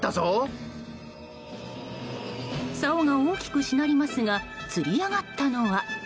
さおが大きくしなりますが釣り上がったのは。